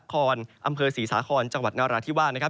ก็คือบริเวณอำเภอเมืองอุดรธานีนะครับ